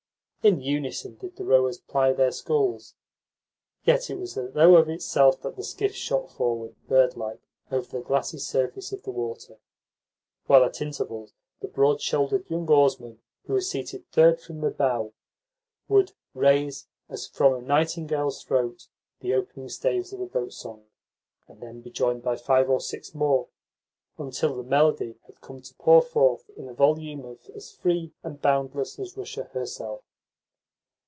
In unison did the rowers ply their sculls, yet it was though of itself that the skiff shot forward, bird like, over the glassy surface of the water; while at intervals the broad shouldered young oarsman who was seated third from the bow would raise, as from a nightingale's throat, the opening staves of a boat song, and then be joined by five or six more, until the melody had come to pour forth in a volume as free and boundless as Russia herself.